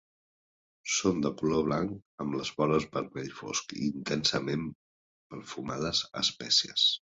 Són de color blanc amb les vores vermell fosc i intensament perfumades a espècies.